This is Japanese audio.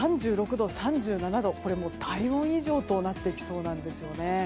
３６度、３７度とこれもう体温以上となってきそうなんですよね。